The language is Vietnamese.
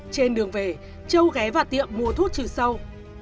trên đường về châu ghé vào tiệm mua thuốc trừ sâu